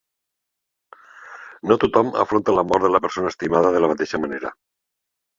No tothom afronta la mort de la persona estimada de la mateixa manera.